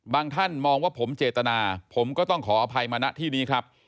ท่านมองว่าผมเจตนาผมก็ต้องขออภัยมาณที่นี้ครับ